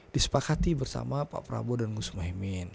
disepakati bersama pak prabowo dan gus muhaymin